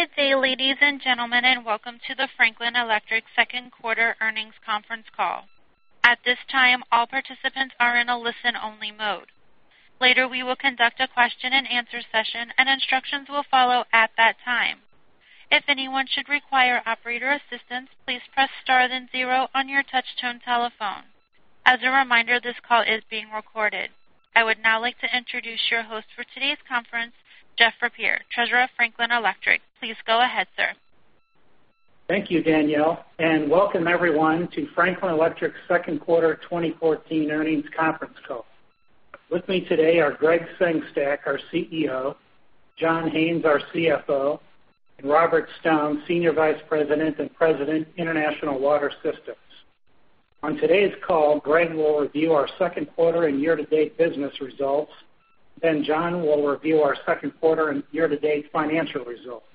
Good day, ladies and gentlemen, and welcome to the Franklin Electric second quarter earnings conference call. At this time, all participants are in a listen-only mode. Later, we will conduct a question-and-answer session, and instructions will follow at that time. If anyone should require operator assistance, please press star then zero on your touch-tone telephone. As a reminder, this call is being recorded. I would now like to introduce your host for today's conference, Joe Ruzynski, Treasurer of Franklin Electric. Please go ahead, sir. Thank you, Danielle, and welcome everyone to Franklin Electric second quarter 2014 earnings conference call. With me today are Gregg Sengstack, our CEO, John Haines, our CFO, and Robert Stone, Senior Vice President and President, International Water Systems. On today's call, Gregg will review our second quarter and year-to-date business results, then John will review our second quarter and year-to-date financial results.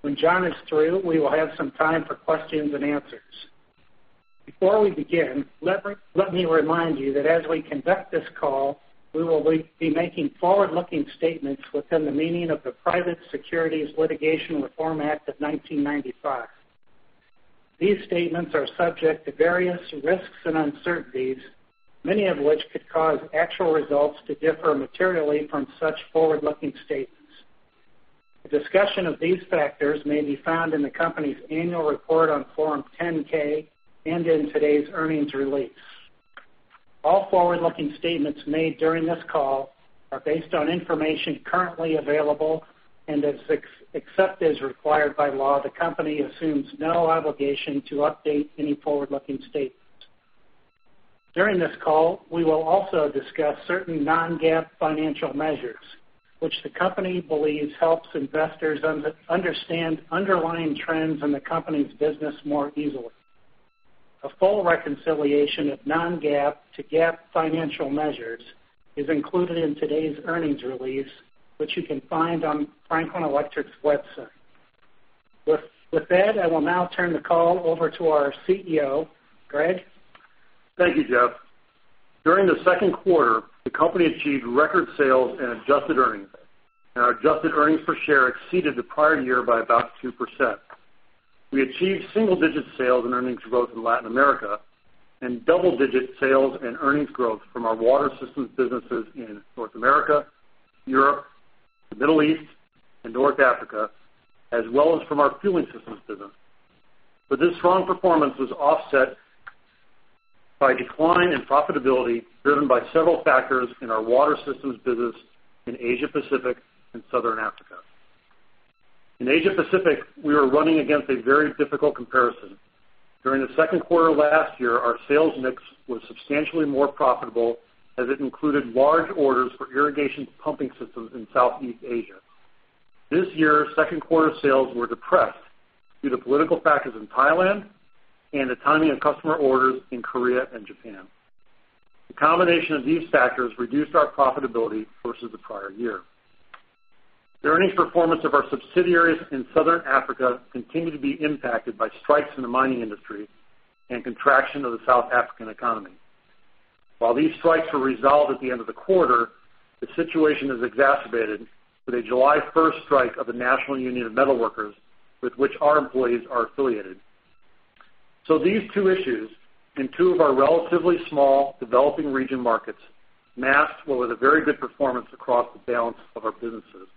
When John is through, we will have some time for questions and answers. Before we begin, let me remind you that as we conduct this call, we will be making forward-looking statements within the meaning of the Private Securities Litigation Reform Act of 1995. These statements are subject to various risks and uncertainties, many of which could cause actual results to differ materially from such forward-looking statements. A discussion of these factors may be found in the company's annual report on Form 10-K and in today's earnings release. All forward-looking statements made during this call are based on information currently available, and except as required by law, the company assumes no obligation to update any forward-looking statements. During this call, we will also discuss certain non-GAAP financial measures, which the company believes helps investors understand underlying trends in the company's business more easily. A full reconciliation of non-GAAP to GAAP financial measures is included in today's earnings release, which you can find on Franklin Electric's website. With that, I will now turn the call over to our CEO, Gregg. Thank you, Joe. During the second quarter, the company achieved record sales and adjusted earnings, and our adjusted earnings per share exceeded the prior year by about 2%. We achieved single-digit sales and earnings growth in Latin America, and double-digit sales and earnings growth from our water systems businesses in North America, Europe, the Middle East, and North Africa, as well as from our fueling systems business. But this strong performance was offset by decline in profitability driven by several factors in our water systems business in Asia-Pacific and Southern Africa. In Asia-Pacific, we were running against a very difficult comparison. During the second quarter last year, our sales mix was substantially more profitable as it included large orders for irrigation pumping systems in Southeast Asia. This year, second quarter sales were depressed due to political factors in Thailand and the timing of customer orders in Korea and Japan. The combination of these factors reduced our profitability versus the prior year. The earnings performance of our subsidiaries in Southern Africa continued to be impacted by strikes in the mining industry and contraction of the South African economy. While these strikes were resolved at the end of the quarter, the situation has exacerbated with a July 1st strike of the National Union of Metalworkers, with which our employees are affiliated. So these two issues, in two of our relatively small developing region markets, masked what was a very good performance across the balance of our businesses.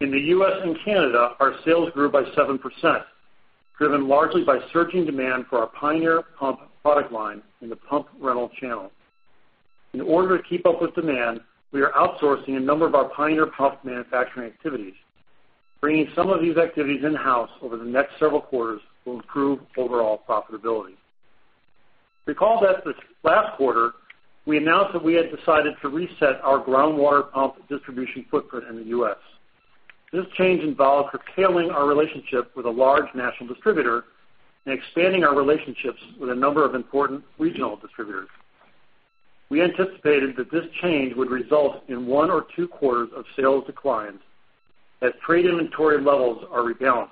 In the U.S. and Canada, our sales grew by 7%, driven largely by surging demand for our Pioneer Pump product line in the pump rental channel. In order to keep up with demand, we are outsourcing a number of our Pioneer Pump manufacturing activities. Bringing some of these activities in-house over the next several quarters will improve overall profitability. Recall that last quarter, we announced that we had decided to reset our groundwater pump distribution footprint in the U.S. This change involved curtailing our relationship with a large national distributor and expanding our relationships with a number of important regional distributors. We anticipated that this change would result in one or two quarters of sales declines as trade inventory levels are rebalanced,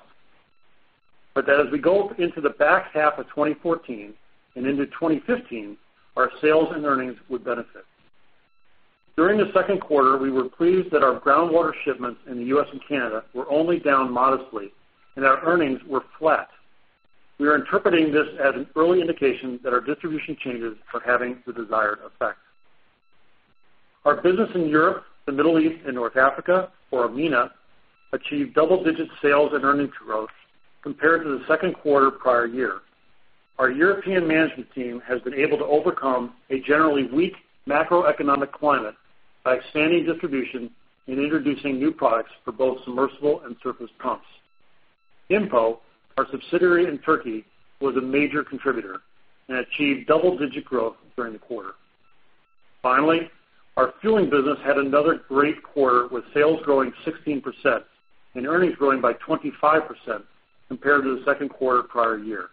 but that as we go into the back half of 2014 and into 2015, our sales and earnings would benefit. During the second quarter, we were pleased that our groundwater shipments in the U.S. and Canada were only down modestly, and our earnings were flat. We are interpreting this as an early indication that our distribution changes are having the desired effect. Our business in Europe, the Middle East, and North Africa, or EMENA, achieved double-digit sales and earnings growth compared to the second quarter prior year. Our European management team has been able to overcome a generally weak macroeconomic climate by expanding distribution and introducing new products for both submersible and surface pumps. IMPO, our subsidiary in Turkey, was a major contributor and achieved double-digit growth during the quarter. Finally, our fueling business had another great quarter with sales growing 16% and earnings growing by 25% compared to the second quarter prior year.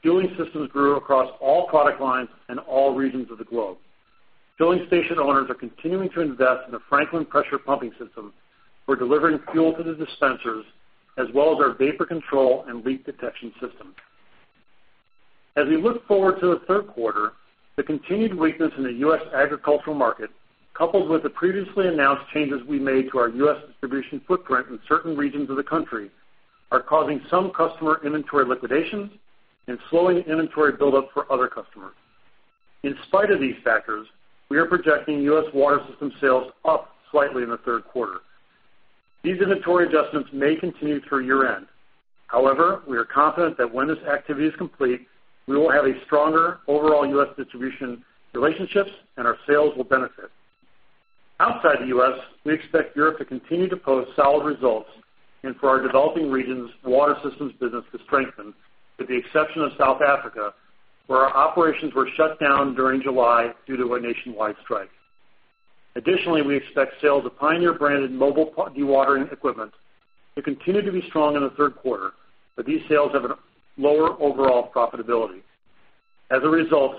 Fueling systems grew across all product lines and all regions of the globe. Fueling station owners are continuing to invest in the Franklin pressure pumping system for delivering fuel to the dispensers, as well as our vapor control and leak detection systems. As we look forward to the third quarter, the continued weakness in the U.S. agricultural market, coupled with the previously announced changes we made to our U.S. distribution footprint in certain regions of the country, are causing some customer inventory liquidations and slowing inventory buildup for other customers. In spite of these factors, we are projecting U.S. water system sales up slightly in the third quarter. These inventory adjustments may continue through year-end. However, we are confident that when this activity is complete, we will have a stronger overall U.S. distribution relationships and our sales will benefit. Outside the U.S., we expect Europe to continue to post solid results and for our developing regions' water systems business to strengthen, with the exception of South Africa, where our operations were shut down during July due to a nationwide strike. Additionally, we expect sales of Pioneer-branded mobile dewatering equipment to continue to be strong in the third quarter, but these sales have a lower overall profitability. As a result,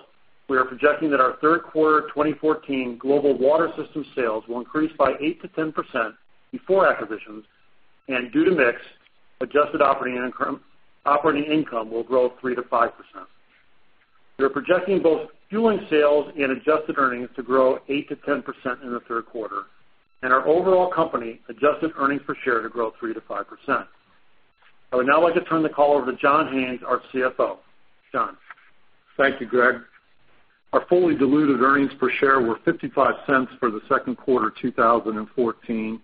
we are projecting that our third quarter 2014 global Water Systems sales will increase by 8%-10% before acquisitions, and due to mix, adjusted operating income will grow 3%-5%. We are projecting both fueling sales and adjusted earnings to grow 8%-10% in the third quarter, and our overall company adjusted earnings per share to grow 3%-5%. I would now like to turn the call over to John Haines, our CFO. John. Thank you, Gregg. Our fully diluted earnings per share were $0.55 for the second quarter 2014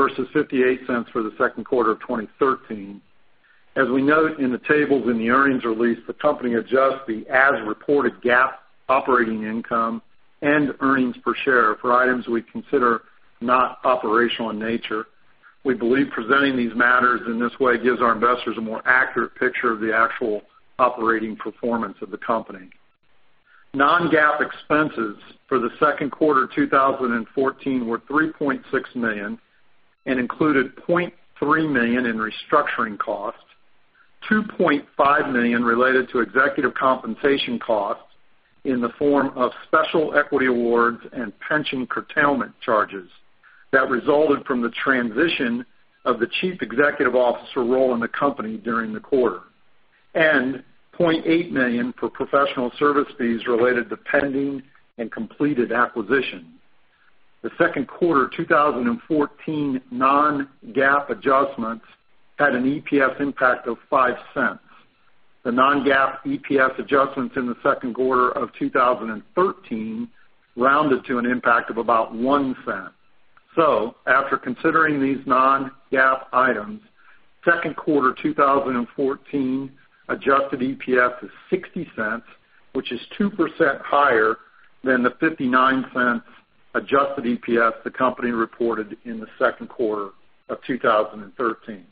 versus $0.58 for the second quarter of 2013. As we note in the tables in the earnings release, the company adjusts the as-reported GAAP operating income and earnings per share for items we consider not operational in nature. We believe presenting these matters in this way gives our investors a more accurate picture of the actual operating performance of the company. Non-GAAP expenses for the second quarter 2014 were $3.6 million and included $0.3 million in restructuring costs, $2.5 million related to executive compensation costs in the form of special equity awards and pension curtailment charges that resulted from the transition of the Chief Executive Officer role in the company during the quarter, and $0.8 million for professional service fees related to pending and completed acquisitions. The second quarter 2014 non-GAAP adjustments had an EPS impact of $0.05. The non-GAAP EPS adjustments in the second quarter of 2013 rounded to an impact of about $0.01. So after considering these non-GAAP items, second quarter 2014 adjusted EPS is $0.60, which is 2% higher than the $0.59 adjusted EPS the company reported in the second quarter of 2013.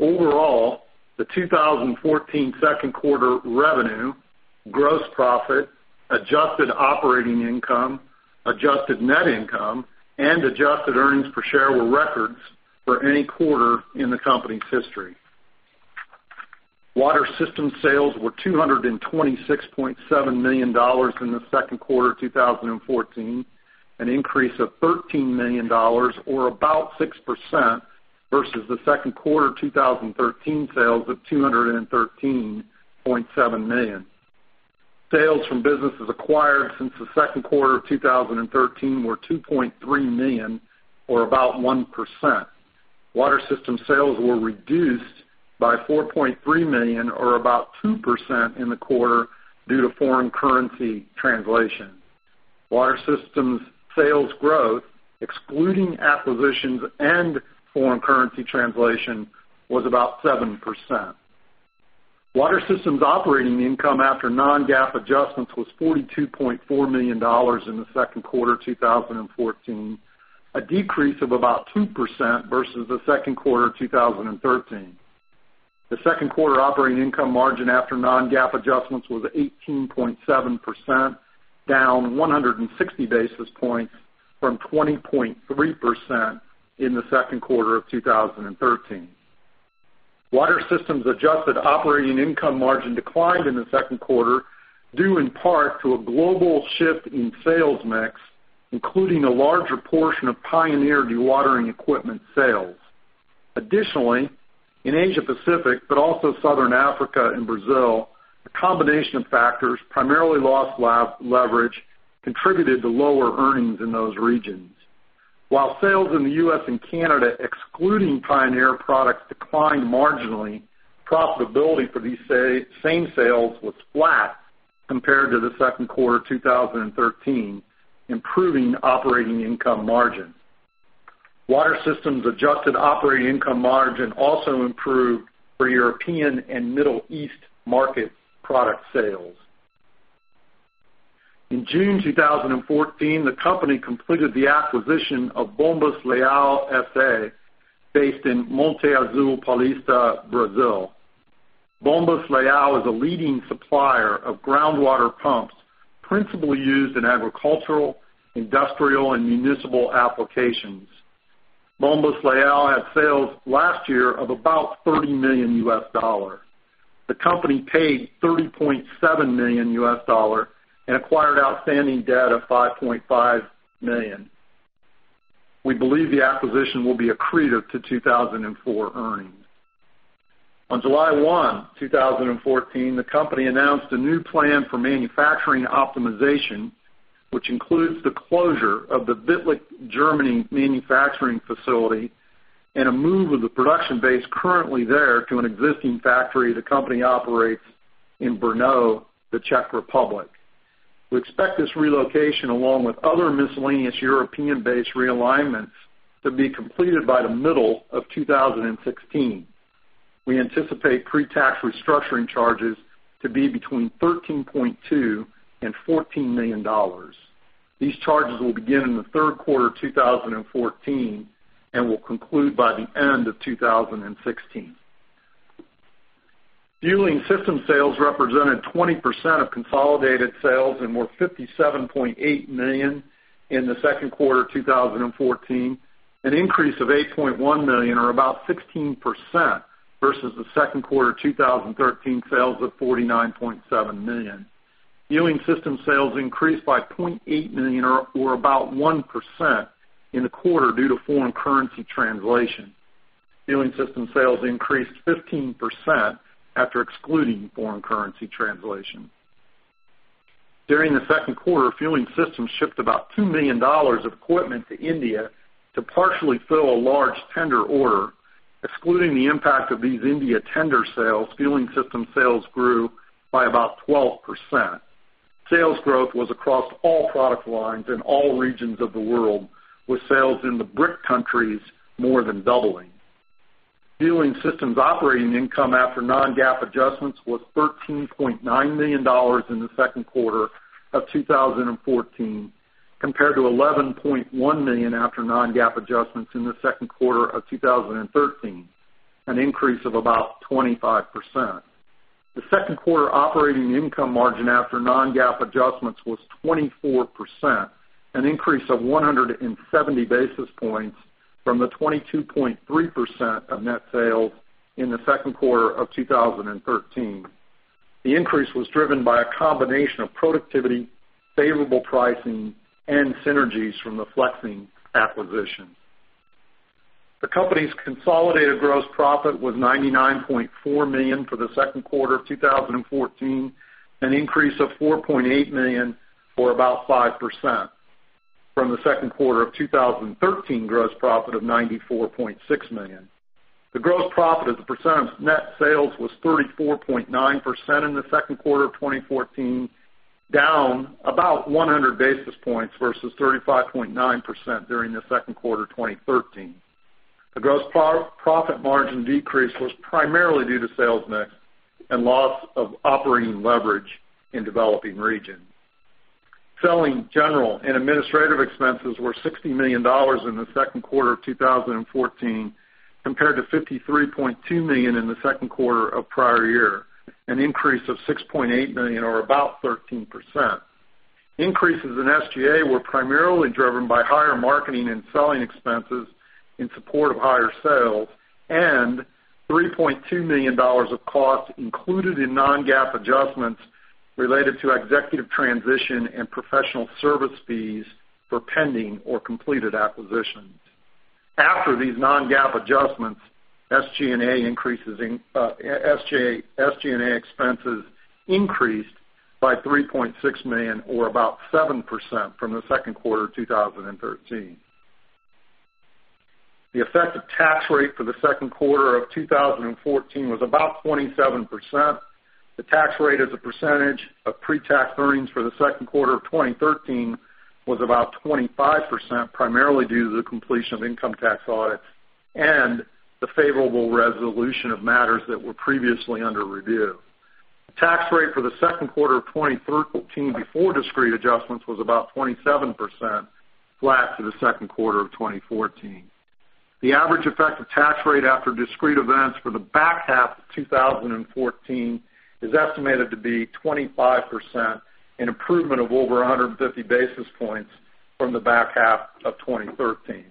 Overall, the 2014 second quarter revenue, gross profit, adjusted operating income, adjusted net income, and adjusted earnings per share were records for any quarter in the company's history. Water systems sales were $226.7 million in the second quarter 2014, an increase of $13 million or about 6% versus the second quarter 2013 sales of $213.7 million. Sales from businesses acquired since the second quarter of 2013 were $2.3 million or about 1%. Water Systems sales were reduced by $4.3 million or about 2% in the quarter due to foreign currency translation. Water Systems sales growth, excluding acquisitions and foreign currency translation, was about 7%. Water Systems operating income after non-GAAP adjustments was $42.4 million in the second quarter 2014, a decrease of about 2% versus the second quarter 2013. The second quarter operating income margin after non-GAAP adjustments was 18.7%, down 160 basis points from 20.3% in the second quarter of 2013. Water Systems adjusted operating income margin declined in the second quarter due in part to a global shift in sales mix, including a larger portion of Pioneer dewatering equipment sales. Additionally, in Asia-Pacific but also Southern Africa and Brazil, a combination of factors, primarily lost leverage, contributed to lower earnings in those regions. While sales in the U.S. and Canada, excluding Pioneer products, declined marginally, profitability for these same sales was flat compared to the second quarter 2013, improving operating income margin. Water systems adjusted operating income margin also improved for European and Middle East markets product sales. In June 2014, the company completed the acquisition of Bombas Leal, S.A., based in Monte Azul Paulista, Brazil. Bombas Leal is a leading supplier of groundwater pumps principally used in agricultural, industrial, and municipal applications. Bombas Leal had sales last year of about $30 million. The company paid $30.7 million and acquired outstanding debt of $5.5 million. We believe the acquisition will be accretive to 2004 earnings. On July 1, 2014, the company announced a new plan for manufacturing optimization, which includes the closure of the Wittlich, Germany, manufacturing facility and a move of the production base currently there to an existing factory the company operates in Brno, the Czech Republic. We expect this relocation, along with other miscellaneous European-based realignments, to be completed by the middle of 2016. We anticipate pre-tax restructuring charges to be between $13.2-$14 million. These charges will begin in the third quarter 2014 and will conclude by the end of 2016. Fueling system sales represented 20% of consolidated sales and were $57.8 million in the second quarter 2014, an increase of $8.1 million or about 16% versus the second quarter 2013 sales of $49.7 million. Fueling system sales increased by $0.8 million or about 1% in the quarter due to foreign currency translation. Fueling Systems sales increased 15% after excluding foreign currency translation. During the second quarter, Fueling Systems shipped about $2 million of equipment to India to partially fill a large tender order. Excluding the impact of these India tender sales, Fueling Systems sales grew by about 12%. Sales growth was across all product lines in all regions of the world, with sales in the BRICS countries more than doubling. Fueling Systems operating income after Non-GAAP adjustments was $13.9 million in the second quarter of 2014 compared to $11.1 million after Non-GAAP adjustments in the second quarter of 2013, an increase of about 25%. The second quarter operating income margin after Non-GAAP adjustments was 24%, an increase of 170 basis points from the 22.3% of net sales in the second quarter of 2013. The increase was driven by a combination of productivity, favorable pricing, and synergies from the Flex-Ing acquisition. The company's consolidated gross profit was $99.4 million for the second quarter of 2014, an increase of $4.8 million or about 5% from the second quarter of 2013 gross profit of $94.6 million. The gross profit as a percent of net sales was 34.9% in the second quarter of 2014, down about 100 basis points versus 35.9% during the second quarter 2013. The gross profit margin decrease was primarily due to sales mix and loss of operating leverage in developing regions. Selling, general and administrative expenses were $60 million in the second quarter of 2014 compared to $53.2 million in the second quarter of prior year, an increase of $6.8 million or about 13%. Increases in SG&A were primarily driven by higher marketing and selling expenses in support of higher sales and $3.2 million of cost included in non-GAAP adjustments related to executive transition and professional service fees for pending or completed acquisitions. After these non-GAAP adjustments, SG&A expenses increased by $3.6 million or about 7% from the second quarter of 2013. The effective tax rate for the second quarter of 2014 was about 27%. The tax rate as a percentage of pre-tax earnings for the second quarter of 2013 was about 25%, primarily due to the completion of income tax audits and the favorable resolution of matters that were previously under review. The tax rate for the second quarter of 2013 before discrete adjustments was about 27%, flat to the second quarter of 2014. The average effective tax rate after discrete events for the back half of 2014 is estimated to be 25%, an improvement of over 150 basis points from the back half of 2013.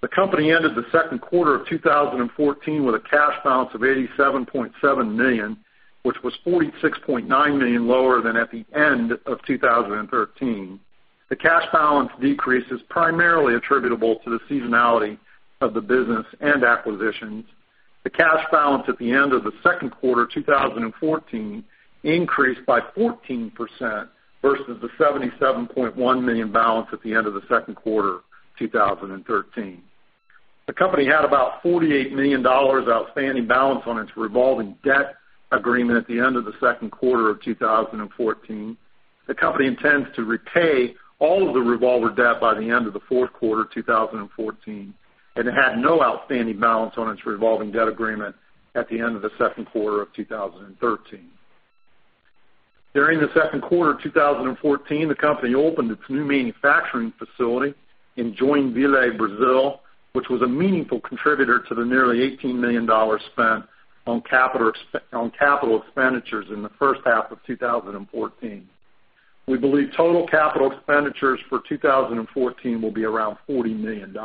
The company ended the second quarter of 2014 with a cash balance of $87.7 million, which was $46.9 million lower than at the end of 2013. The cash balance decrease is primarily attributable to the seasonality of the business and acquisitions. The cash balance at the end of the second quarter 2014 increased by 14% versus the $77.1 million balance at the end of the second quarter 2013. The company had about $48 million outstanding balance on its revolving debt agreement at the end of the second quarter of 2014. The company intends to repay all of the revolver debt by the end of the fourth quarter of 2014, and it had no outstanding balance on its revolving debt agreement at the end of the second quarter of 2013. During the second quarter of 2014, the company opened its new manufacturing facility in Joinville, Brazil, which was a meaningful contributor to the nearly $18 million spent on capital expenditures in the first half of 2014. We believe total capital expenditures for 2014 will be around $40 million.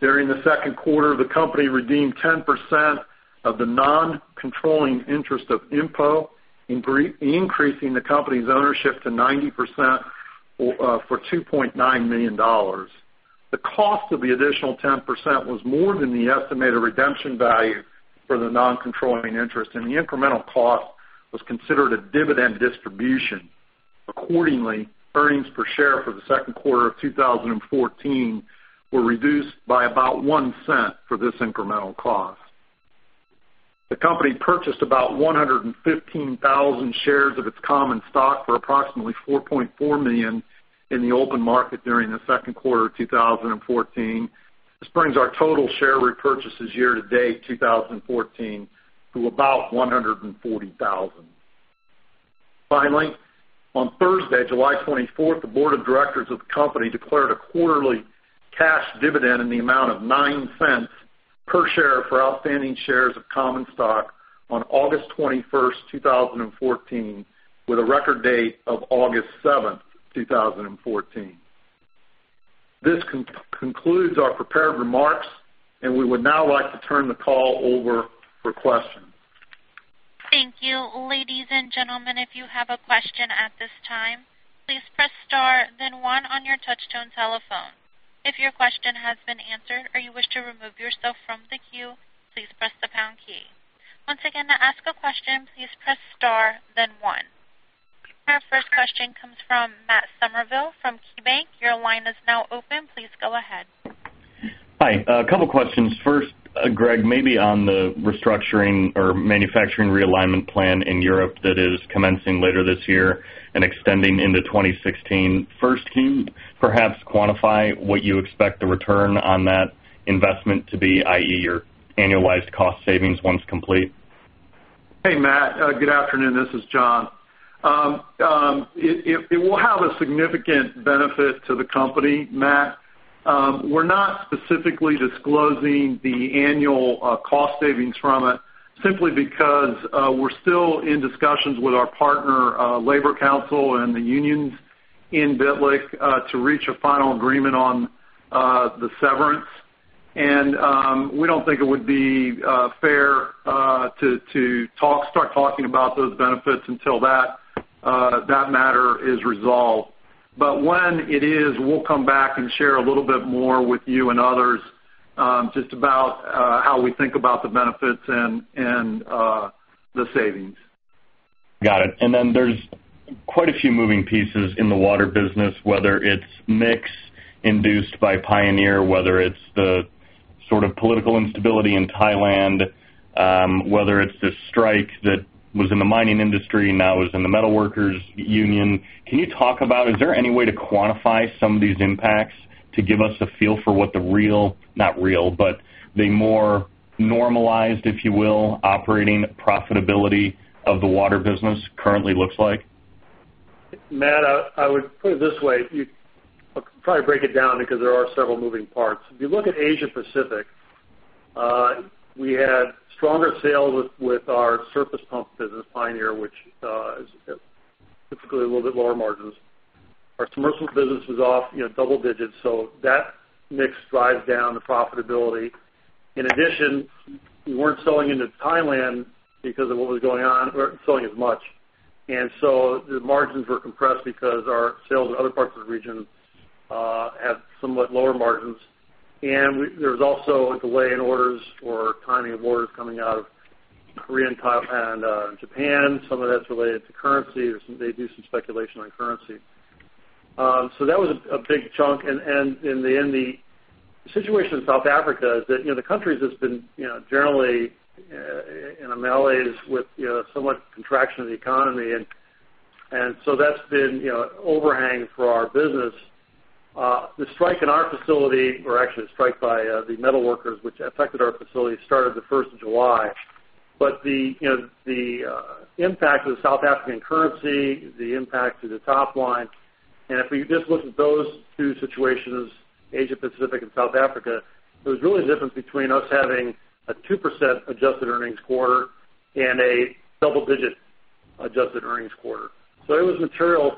During the second quarter, the company redeemed 10% of the non-controlling interest of IMPO, increasing the company's ownership to 90% for $2.9 million. The cost of the additional 10% was more than the estimated redemption value for the non-controlling interest, and the incremental cost was considered a dividend distribution. Accordingly, earnings per share for the second quarter of 2014 were reduced by about $0.01 for this incremental cost. The company purchased about 115,000 shares of its common stock for approximately $4.4 million in the open market during the second quarter of 2014. This brings our total share repurchases year-to-date 2014 to about 140,000. Finally, on Thursday, July 24th, the board of directors of the company declared a quarterly cash dividend in the amount of $0.09 per share for outstanding shares of common stock on August 21st, 2014, with a record date of August 7th, 2014. This concludes our prepared remarks, and we would now like to turn the call over for questions. Thank you. Ladies and gentlemen, if you have a question at this time, please press star, then one, on your touch-tone telephone. If your question has been answered or you wish to remove yourself from the queue, please press the pound key. Once again, to ask a question, please press star, then one. Our first question comes from Matt Summerville from KeyBanc. Your line is now open. Please go ahead. Hi. A couple of questions. First, Gregg, maybe on the restructuring or manufacturing realignment plan in Europe that is commencing later this year and extending into 2016. First, can you perhaps quantify what you expect the return on that investment to be, i.e., your annualized cost savings once complete? Hey, Matt. Good afternoon. This is John. It will have a significant benefit to the company, Matt. We're not specifically disclosing the annual cost savings from it simply because we're still in discussions with our partner, works council and the unions in Wittlich, to reach a final agreement on the severance. We don't think it would be fair to start talking about those benefits until that matter is resolved. When it is, we'll come back and share a little bit more with you and others just about how we think about the benefits and the savings. Got it. Then there's quite a few moving pieces in the water business, whether it's mix induced by Pioneer, whether it's the sort of political instability in Thailand, whether it's the strike that was in the mining industry, now is in the metalworkers union. Can you talk about is there any way to quantify some of these impacts to give us a feel for what the real not real, but the more normalized, if you will, operating profitability of the water business currently looks like? Matt, I would put it this way. I'll probably break it down because there are several moving parts. If you look at Asia-Pacific, we had stronger sales with our surface pump business, Pioneer, which is typically a little bit lower margins. Our commercial business was off double digits, so that mix drives down the profitability. In addition, we weren't selling into Thailand because of what was going on. We weren't selling as much. And so the margins were compressed because our sales in other parts of the region had somewhat lower margins. And there was also a delay in orders or timing of orders coming out of Korea, Japan. Some of that's related to currency. They do some speculation on currency. So that was a big chunk. In the end, the situation in South Africa is that the country's just been generally in a malaise with somewhat contraction of the economy, and so that's been an overhang for our business. The strike in our facility or actually, the strike by the metalworkers, which affected our facility, started the 1st of July. But the impact of the South African currency, the impact to the top line, and if we just looked at those two situations, Asia-Pacific and South Africa, there was really a difference between us having a 2% adjusted earnings quarter and a double-digit adjusted earnings quarter. It was material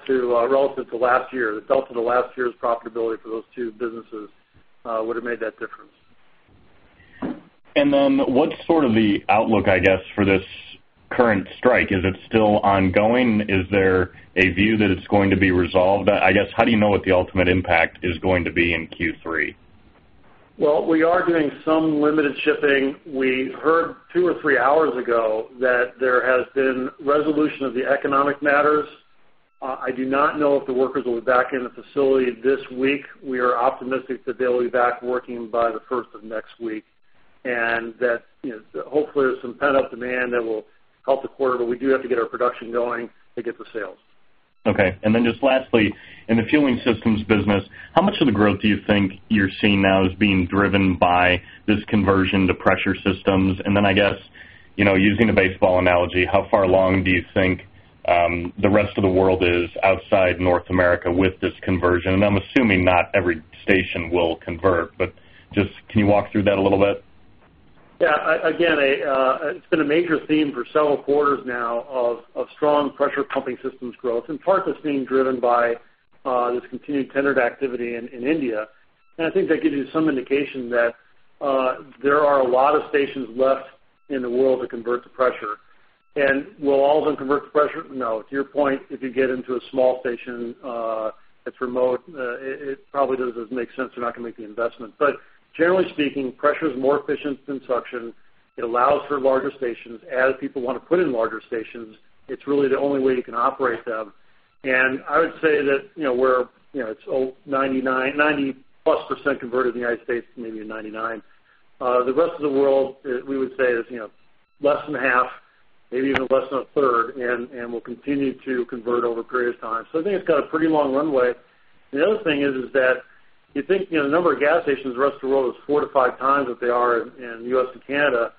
relative to last year. The delta to last year's profitability for those two businesses would have made that difference. And then what's sort of the outlook, I guess, for this current strike? Is it still ongoing? Is there a view that it's going to be resolved? I guess, how do you know what the ultimate impact is going to be in Q3? Well, we are doing some limited shipping. We heard two or three hours ago that there has been resolution of the economic matters. I do not know if the workers will be back in the facility this week. We are optimistic that they'll be back working by the 1st of next week and that hopefully there's some pent-up demand that will help the quarter. But we do have to get our production going to get the sales. Okay. And then just lastly, in the fueling systems business, how much of the growth do you think you're seeing now is being driven by this conversion to pressure systems? And then, I guess, using the baseball analogy, how far along do you think the rest of the world is outside North America with this conversion? And I'm assuming not every station will convert, but just can you walk through that a little bit? Yeah. Again, it's been a major theme for several quarters now of strong Pressure Pumping Systems growth, in part just being driven by this continued tendered activity in India. And I think that gives you some indication that there are a lot of stations left in the world to convert to pressure. And will all of them convert to pressure? No. To your point, if you get into a small station that's remote, it probably doesn't make sense. They're not going to make the investment. But generally speaking, pressure is more efficient than suction. It allows for larger stations. As people want to put in larger stations, it's really the only way you can operate them. And I would say that where it's 90%+ converted in the United States, maybe a 99. The rest of the world, we would say, is less than half, maybe even less than a third, and will continue to convert over periods of time. So I think it's got a pretty long runway. The other thing is that you think the number of gas stations in the rest of the world is 4-5 times what they are in the US and Canada.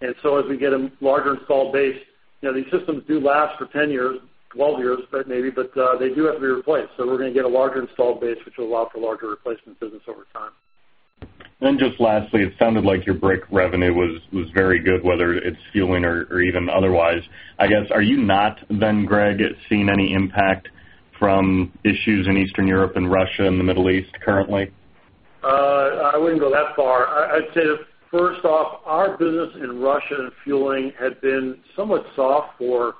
And so as we get a larger installed base, these systems do last for 10 years, 12 years maybe, but they do have to be replaced. So we're going to get a larger installed base, which will allow for larger replacement business over time. And then just lastly, it sounded like your BRICS revenue was very good, whether it's fueling or even otherwise. I guess, are you not then, Gregg, seeing any impact from issues in Eastern Europe and Russia and the Middle East currently? I wouldn't go that far. I'd say that first off, our business in Russia and fueling had been somewhat soft for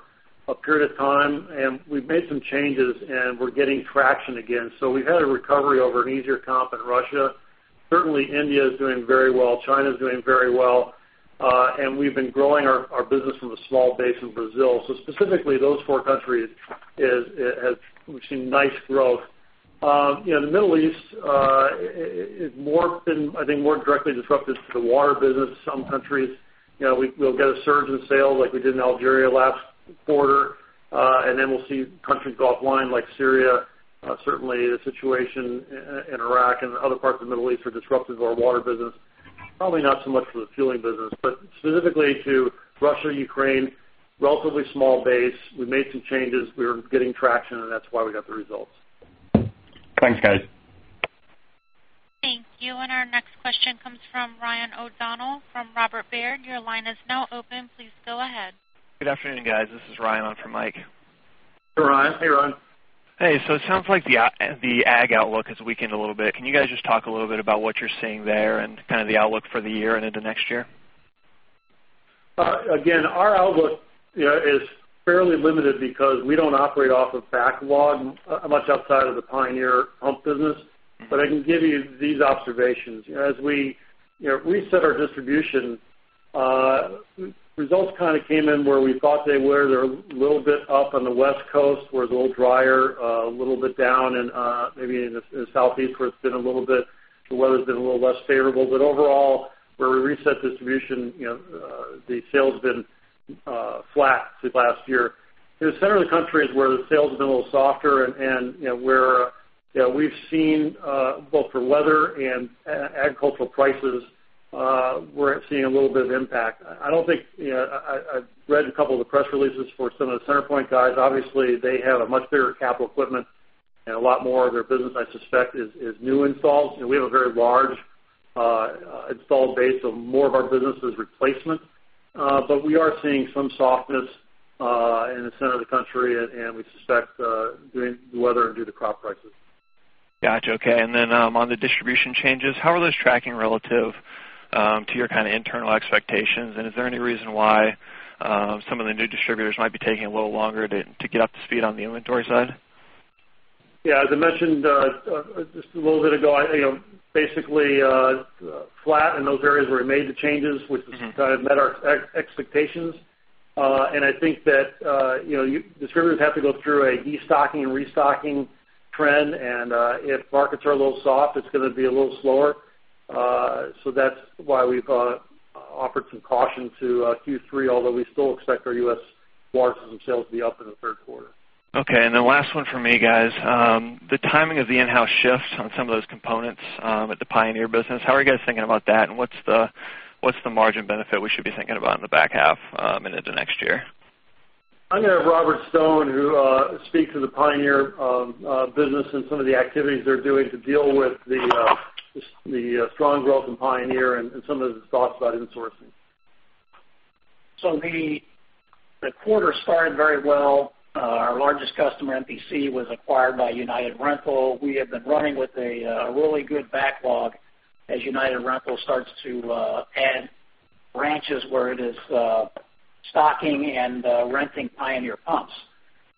a period of time, and we've made some changes, and we're getting traction again. So we've had a recovery over an easier comp in Russia. Certainly, India is doing very well. China is doing very well. And we've been growing our business from a small base in Brazil. So specifically, those four countries, we've seen nice growth. The Middle East is, I think, more directly disruptive to the water business. Some countries, we'll get a surge in sales like we did in Algeria last quarter, and then we'll see countries offline like Syria. Certainly, the situation in Iraq and other parts of the Middle East are disruptive to our water business, probably not so much for the fueling business. But specifically to Russia, Ukraine, relatively small base. We made some changes. We were getting traction, and that's why we got the results. Thanks, guys. Thank you. Our next question comes from Ryan O'Donnell from Robert Baird. Your line is now open. Please go ahead. Good afternoon, guys. This is Ryan on from Mike. Hey, Ryan. Hey, Ryan. Hey. So it sounds like the ag outlook has weakened a little bit. Can you guys just talk a little bit about what you're seeing there and kind of the outlook for the year and into next year? Again, our outlook is fairly limited because we don't operate off of backlog much outside of the Pioneer Pump business. But I can give you these observations. As we reset our distribution, results kind of came in where we thought they were. They're a little bit up on the West Coast, where it's a little drier, a little bit down. And maybe in the Southeast, where it's been a little bit, the weather's been a little less favorable. But overall, where we reset distribution, the sales have been flat since last year. The center of the country is where the sales have been a little softer and where we've seen, both for weather and agricultural prices, we're seeing a little bit of impact. I don't think I've read a couple of the press releases for some of the center pivot guys. Obviously, they have a much bigger capital equipment, and a lot more of their business, I suspect, is new installs. We have a very large installed base, so more of our business is replacement. But we are seeing some softness in the center of the country, and we suspect due to the weather and due to crop prices. Gotcha. Okay. And then on the distribution changes, how are those tracking relative to your kind of internal expectations? And is there any reason why some of the new distributors might be taking a little longer to get up to speed on the inventory side? Yeah. As I mentioned just a little bit ago, basically flat in those areas where we made the changes, which kind of met our expectations. And I think that distributors have to go through a destocking and restocking trend. And if markets are a little soft, it's going to be a little slower. So that's why we've offered some caution to Q3, although we still expect our U.S. water system sales to be up in the third quarter. Okay. And then last one from me, guys. The timing of the in-house shift on some of those components at the Pioneer business, how are you guys thinking about that? And what's the margin benefit we should be thinking about in the back half and into next year? I'm going to have Robert Stone who speaks to the Pioneer business and some of the activities they're doing to deal with the strong growth in Pioneer and some of his thoughts about insourcing. So the quarter started very well. Our largest customer, NPC, was acquired by United Rentals. We have been running with a really good backlog as United Rentals starts to add branches where it is stocking and renting Pioneer pumps.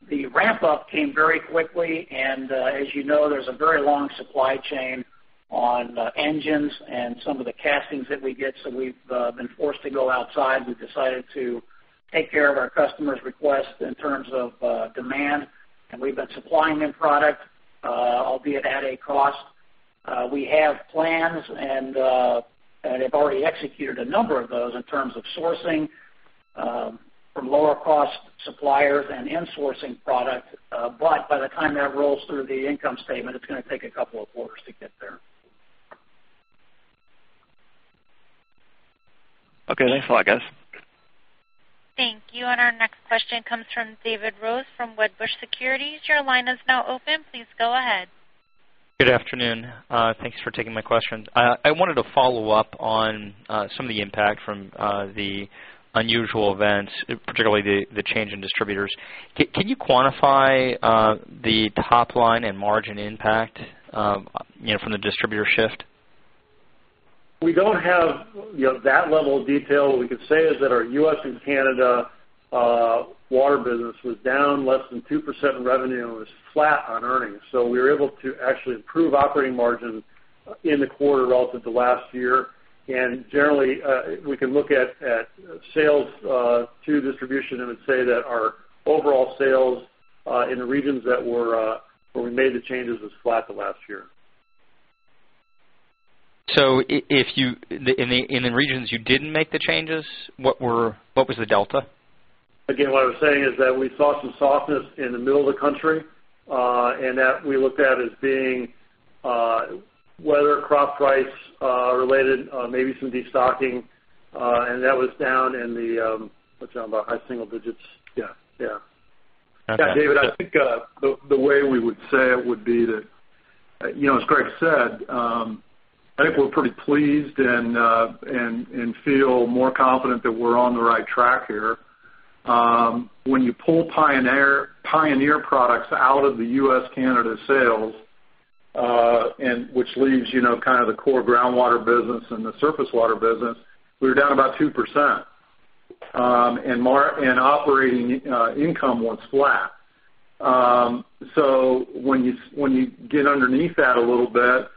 The ramp-up came very quickly. And as you know, there's a very long supply chain on engines and some of the castings that we get. So we've been forced to go outside. We've decided to take care of our customer's request in terms of demand, and we've been supplying them product, albeit at a cost. We have plans, and I've already executed a number of those in terms of sourcing from lower-cost suppliers and insourcing product. But by the time that rolls through the income statement, it's going to take a couple of quarters to get there. Okay. Thanks a lot, guys. Thank you. Our next question comes from David Rose from Wedbush Securities. Your line is now open. Please go ahead. Good afternoon. Thanks for taking my question. I wanted to follow up on some of the impact from the unusual events, particularly the change in distributors. Can you quantify the top line and margin impact from the distributor shift? We don't have that level of detail. What we can say is that our U.S. and Canada water business was down less than 2% in revenue and was flat on earnings. So we were able to actually improve operating margin in the quarter relative to last year. Generally, we can look at sales to distribution and would say that our overall sales in the regions where we made the changes was flat the last year. In the regions you didn't make the changes, what was the delta? Again, what I was saying is that we saw some softness in the middle of the country and that we looked at as being weather, crop price-related, maybe some destocking. And that was down in the—what's that about?—high single digits. Yeah. Yeah. Yeah, David, I think the way we would say it would be that, as Gregg said, I think we're pretty pleased and feel more confident that we're on the right track here. When you pull Pioneer products out of the U.S./Canada sales, which leaves kind of the core groundwater business and the surface water business, we were down about 2%. And operating income was flat. So when you get underneath that a little bit,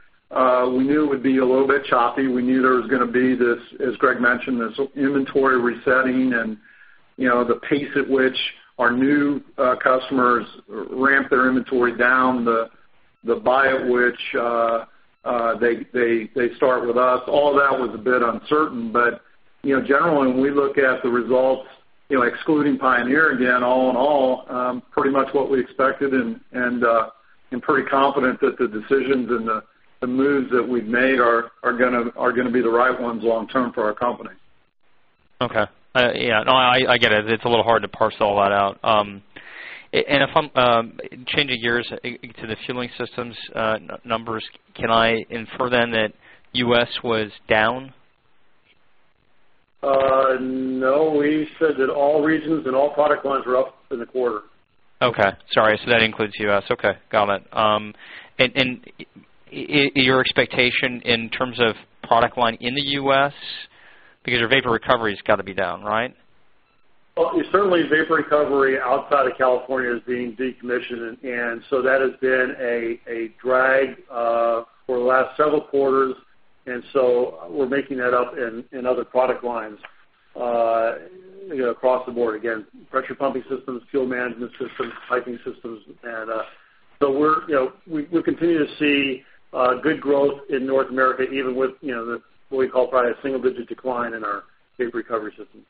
we knew it would be a little bit choppy. We knew there was going to be, as Gregg mentioned, this inventory resetting and the pace at which our new customers ramp their inventory down, the buy at which they start with us. All of that was a bit uncertain. But generally, when we look at the results, excluding Pioneer again, all in all, pretty much what we expected, and pretty confident that the decisions and the moves that we've made are going to be the right ones long-term for our company. Okay. Yeah. No, I get it. It's a little hard to parse all that out. And if I'm changing gears to the fueling systems numbers, can I infer then that U.S. was down? No. We said that all regions and all product lines were up in the quarter. Okay. Sorry. So that includes U.S. Okay. Got it. And your expectation in terms of product line in the U.S. because your vapor recovery's got to be down, right? Well, certainly, vapor recovery outside of California is being decommissioned. And so that has been a drag for the last several quarters. And so we're making that up in other product lines across the board. Again, Pressure Pumping Systems, fuel management systems, piping systems. And so we continue to see good growth in North America, even with what we call probably a single-digit decline in our vapor recovery system.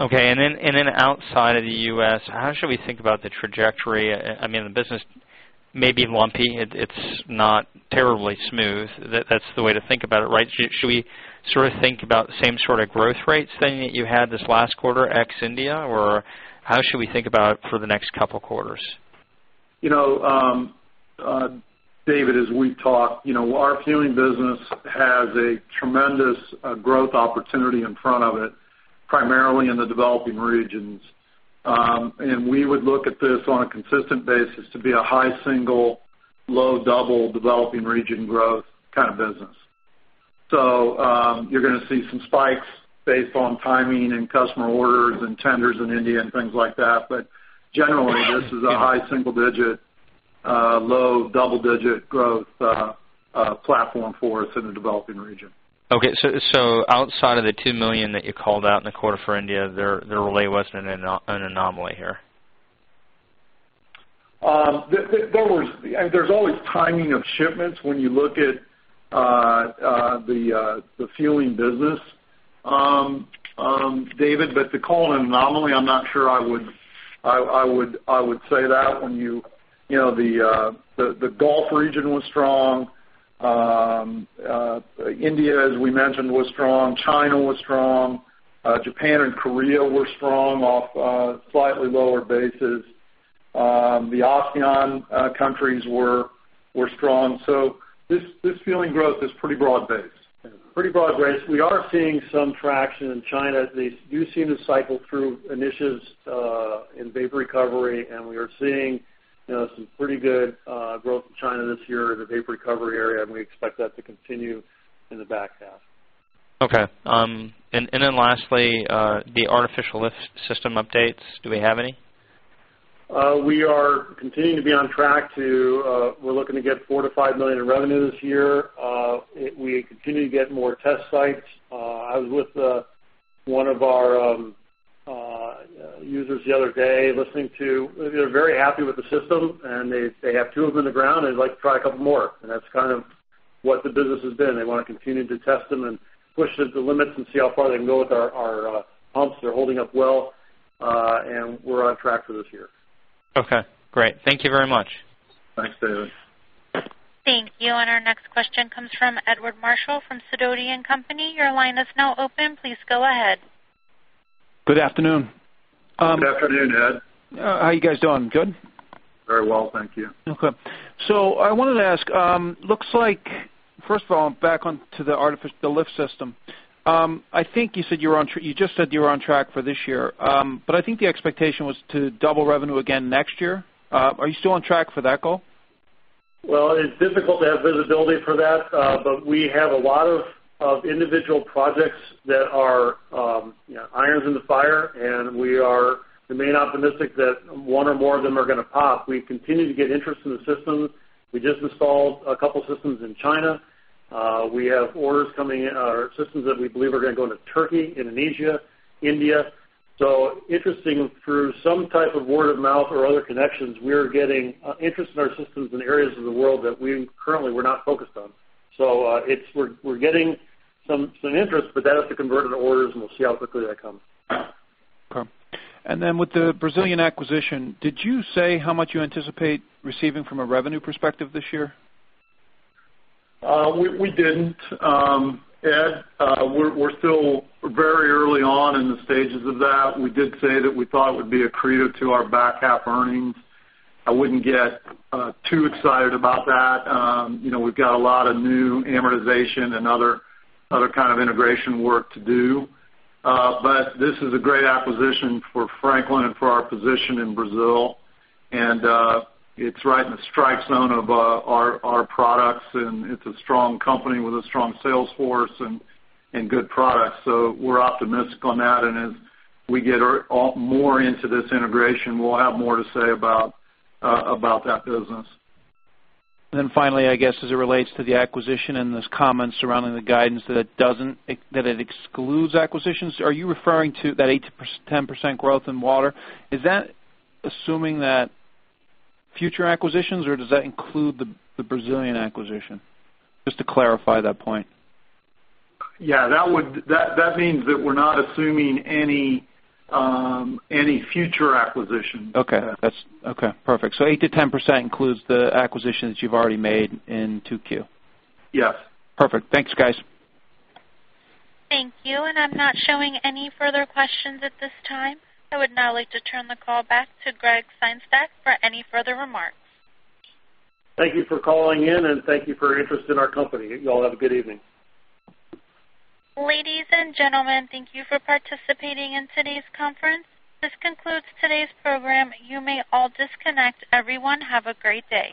Okay. And then outside of the U.S., how should we think about the trajectory? I mean, the business may be lumpy. It's not terribly smooth. That's the way to think about it, right? Should we sort of think about same sort of growth rates then that you had this last quarter, ex-India? Or how should we think about it for the next couple of quarters? David, as we've talked, our fueling business has a tremendous growth opportunity in front of it, primarily in the developing regions. We would look at this on a consistent basis to be a high single, low double developing region growth kind of business. You're going to see some spikes based on timing and customer orders and tenders in India and things like that. But generally, this is a high single-digit, low double-digit growth platform for us in the developing region. Okay. So outside of the $2 million that you called out in the quarter for India, the relay wasn't an anomaly here? There's always timing of shipments when you look at the fueling business, David. But to call it an anomaly, I'm not sure I would say that when you the Gulf region was strong. India, as we mentioned, was strong. China was strong. Japan and Korea were strong off slightly lower bases. The ASEAN countries were strong. So this fueling growth is pretty broad-based. Pretty broad-based. We are seeing some traction in China. They do seem to cycle through initiatives in vapor recovery. And we are seeing some pretty good growth in China this year in the vapor recovery area. And we expect that to continue in the back half. Okay. And then lastly, the artificial lift system updates, do we have any? We are continuing to be on track to; we're looking to get $4 million-$5 million in revenue this year. We continue to get more test sites. I was with one of our users the other day listening to; they're very happy with the system, and they have two of them in the ground. They'd like to try a couple more. And that's kind of what the business has been. They want to continue to test them and push the limits and see how far they can go with our pumps. They're holding up well. And we're on track for this year. Okay. Great. Thank you very much. Thanks, David. Thank you. Our next question comes from Edward Marshall from Sidoti & Company. Your line is now open. Please go ahead. Good afternoon. Good afternoon, Ed. How are you guys doing? Good? Very well, thank you. Okay. So I wanted to ask, looks like, first of all, back onto the lift system. I think you just said you were on track for this year. But I think the expectation was to double revenue again next year. Are you still on track for that goal? Well, it's difficult to have visibility for that. But we have a lot of individual projects that are irons in the fire. And we remain optimistic that one or more of them are going to pop. We continue to get interest in the system. We just installed a couple of systems in China. We have orders coming in our systems that we believe are going to go into Turkey, Indonesia, India. So interestingly through some type of word of mouth or other connections, we are getting interest in our systems in areas of the world that we currently were not focused on. So we're getting some interest, but that has to convert into orders. And we'll see how quickly that comes. Okay. And then with the Brazilian acquisition, did you say how much you anticipate receiving from a revenue perspective this year? We didn't, Ed. We're still very early on in the stages of that. We did say that we thought it would be a credit to our back half earnings. I wouldn't get too excited about that. We've got a lot of new amortization and other kind of integration work to do. But this is a great acquisition for Franklin and for our position in Brazil. And it's right in the strike zone of our products. And it's a strong company with a strong sales force and good products. So we're optimistic on that. And as we get more into this integration, we'll have more to say about that business. Then finally, I guess, as it relates to the acquisition and those comments surrounding the guidance that it excludes acquisitions, are you referring to that 8%-10% growth in water? Is that assuming that future acquisitions, or does that include the Brazilian acquisition? Just to clarify that point. Yeah. That means that we're not assuming any future acquisition. Okay. Okay. Perfect. So 8%-10% includes the acquisition that you've already made in 2Q. Yes. Perfect. Thanks, guys. Thank you. I'm not showing any further questions at this time. I would now like to turn the call back to Gregg Sengstack for any further remarks. Thank you for calling in, and thank you for your interest in our company. You all have a good evening. Ladies and gentlemen, thank you for participating in today's conference. This concludes today's program. You may all disconnect. Everyone, have a great day.